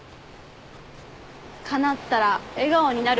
かなったら笑顔になることか。